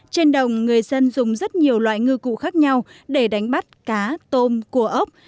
trên đồng người dân dùng rất nhiều loại ngư cụ khác nhau để đánh bắt cá tôm cua ốc